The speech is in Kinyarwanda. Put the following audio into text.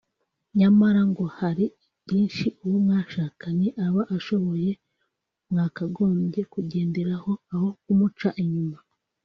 nyamara ngo hari byinshi uwo mwashakanye aba ashoboye mwakagombye kugenderaho aho kumuca inyuma